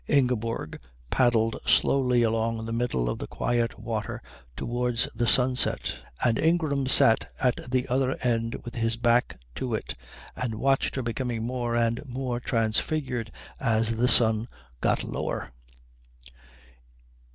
Ingeborg paddled slowly along the middle of the quiet water towards the sunset, and Ingram sat at the other end with his back to it and watched her becoming more and more transfigured as the sun got lower.